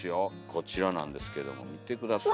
こちらなんですけども見て下さい。